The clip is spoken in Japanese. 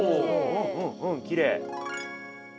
うんうんうんきれい。